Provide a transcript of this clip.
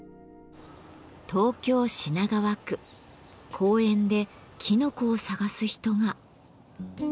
公園できのこを探す人が。